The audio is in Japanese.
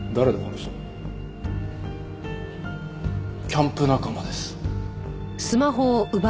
キャンプ仲間です。